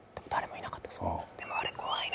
いや、でもあれ、怖いな。